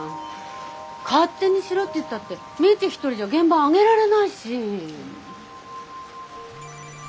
勝手にしろって言ったって未知一人じゃ原盤揚げられないし。